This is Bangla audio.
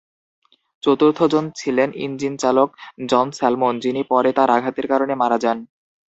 চতুর্থজন ছিলেন ইঞ্জিন চালক জন স্যালমন, যিনি পরে তার আঘাতের কারণে মারা যান।